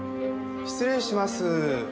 失礼します。